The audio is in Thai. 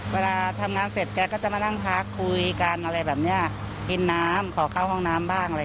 เวลาทำงานเสร็จแกก็จะมานั่งพักคุยกันอะไรแบบนี้กินน้ำขอเข้าห้องน้ำบ้างอะไร